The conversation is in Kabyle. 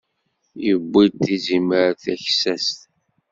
Yewwi-d tizimert taksast.